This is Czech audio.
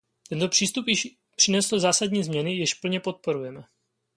Tento přístup již přinesl zásadní změny, jež plně podporujeme.